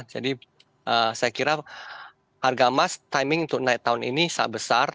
jadi saya kira harga emas timing untuk naik tahun ini sangat besar